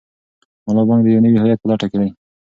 ملا بانګ د یو نوي هویت په لټه کې دی.